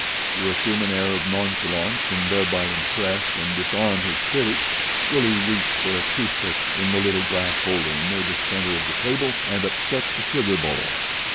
To assume an air of nonchalance and thereby impress and disarm his critics Willie reached for a toothpick in the little glass holder near the center of the table and upset the sugar bowl.